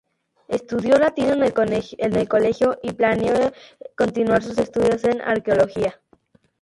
Estudió Latín en el colegio y planeó continuar sus estudio en Arqueología.